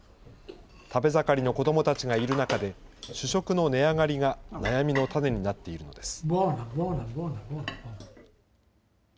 食べ盛りの子どもたちがいる中で、主食の値上がりが悩みの種になっているのです。